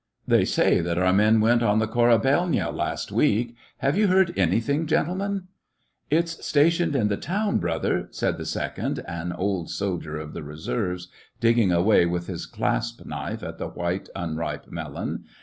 They say that our men went on the Korabelnaya last week. Have you heard anything, gentle men '* It's stationed in the town, brother," said the second, an old soldier of the reserves, digging away with his clasp knife at the white, unripe melon.